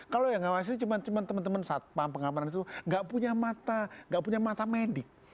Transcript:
kalau yang ngawasin cuma teman teman saat pengambilan itu gak punya mata gak punya mata medik